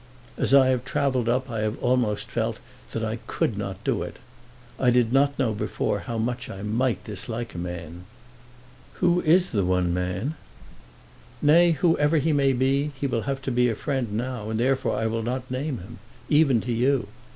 As I have travelled up I have almost felt that I could not do it! I did not know before how much I might dislike a man." "Who is the one man?" "Nay; whoever he be, he will have to be a friend now, and therefore I will not name him, even to you.